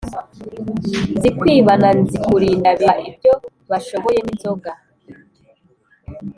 Nzikwiba na Nzikurinda biba ibyo bashoboye n' inzoga